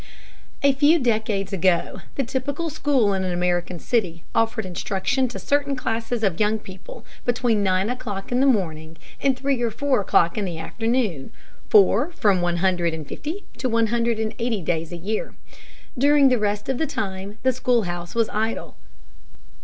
A few decades ago, the typical school in an American city offered instruction to certain classes of young people between nine o'clock in the morning and three or four o'clock in the afternoon, for from 150 to 180 days a year. During the rest of the time the schoolhouse was idle.